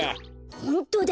ホントだ。